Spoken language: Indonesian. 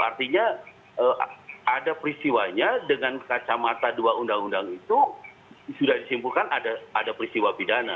artinya ada peristiwanya dengan kacamata dua undang undang itu sudah disimpulkan ada peristiwa pidana